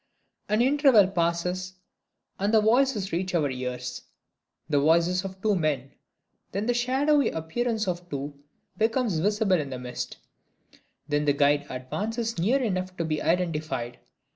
An interval passes; and voices reach our ears the voices of two men. Then the shadowy appearance of the two becomes visible in the mist. Then the guide advances near enough to be identified.